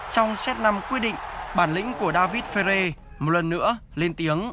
trong set năm quyết định bản lĩnh của david ferre một lần nữa lên tiếng